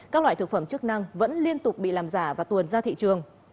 các loại thực phẩm chức năng vẫn liên tục bị làm giả và tuồn ra thị trường